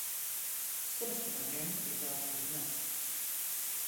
Srst na něm vytváří límec.